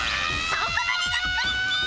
そこまでだクリッキー！